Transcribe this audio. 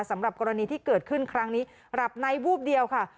สำหรับกรณีที่เกิดขึ้นครั้งนี้หลับในวูบเดียวค่ะ